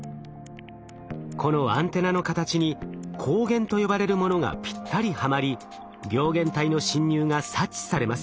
このアンテナの形に抗原と呼ばれるものがぴったりはまり病原体の侵入が察知されます。